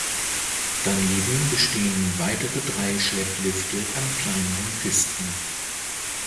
Daneben bestehen weitere drei Schlepplifte an kleineren Pisten.